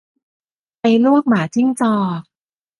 ไฟลวกหมาจิ้งจอก